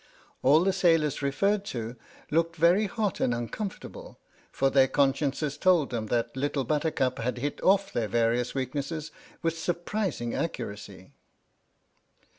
All the sailors referred to looked very hot and uncomfortable, for their consciences told them that 13 H.M.S. "PINAFORE" Little Buttercup had hit off their various weak nesses with surprising accuracy.